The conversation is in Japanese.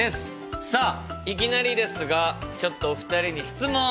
さあいきなりですがちょっとお二人に質問！